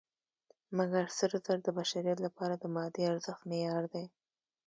مګر سره زر د بشریت لپاره د مادي ارزښت معیار دی.